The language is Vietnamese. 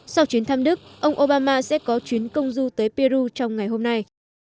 sau chuyến thăm đức ông obama sẽ có chuyến công du tới peru trong ngày hôm nay